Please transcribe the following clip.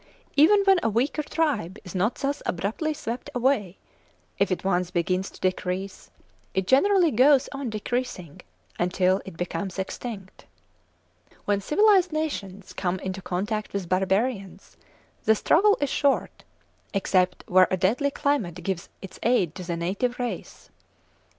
Even when a weaker tribe is not thus abruptly swept away, if it once begins to decrease, it generally goes on decreasing until it becomes extinct. (32. Gerland (ibid. s. 12) gives facts in support of this statement.) When civilised nations come into contact with barbarians the struggle is short, except where a deadly climate gives its aid to the native race.